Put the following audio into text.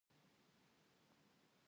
خپل رب وپیژنئ